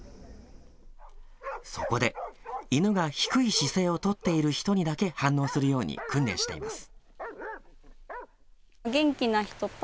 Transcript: そこで犬が低い姿勢を取っている人にだけ反応するように訓練しています。